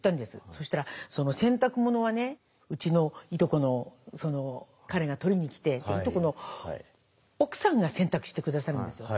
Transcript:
そしたら洗濯物はねうちのいとこのその彼が取りに来ていとこの奥さんが洗濯して下さるんですよ。